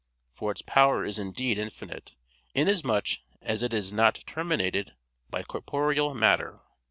For its power is indeed infinite inasmuch as it is not terminated by corporeal matter.